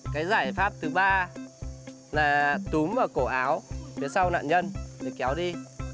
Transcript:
cái giải pháp thứ ba là túm vào cổ áo phía sau nạn nhân để kéo đi